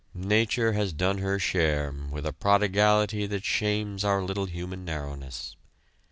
Nature has done her share with a prodigality that shames our little human narrowness.